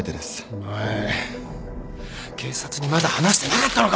お前警察にまだ話してなかったのか？